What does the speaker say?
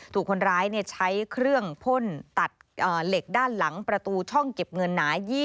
ถูกคนร้ายใช้เครื่องพ่นตัดเหล็กด้านหลังประตูช่องเก็บเงินหนา